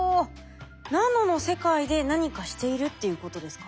ナノの世界で何かしているっていうことですか？